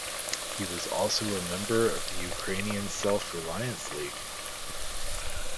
He was also a member of the Ukrainian Self Reliance League.